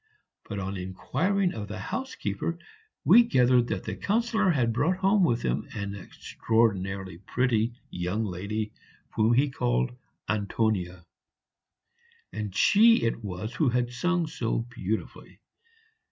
But on inquiring of the housekeeper, we gathered that the Councillor had brought home with him an extraordinarily pretty young lady whom he called Antonia, and she it was who had sung so beautifully.